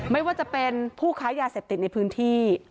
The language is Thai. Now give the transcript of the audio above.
ไม่ว่าจะเป็นผู้ค้ายาเสพติดในพื้นที่